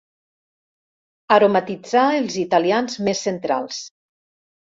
Aromatitzar els italians més centrals.